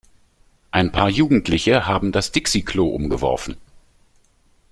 Ein paar Jugendliche haben das Dixi-Klo umgeworfen.